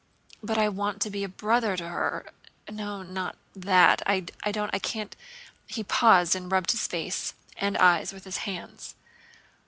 But I want to be a brother to her. No, not that, I don't, I can't..." He paused and rubbed his face and eyes with his hands.